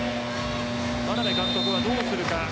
眞鍋監督はどうするか。